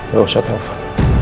gak usah telfon